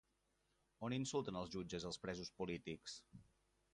On insulten els jutges als presos polítics?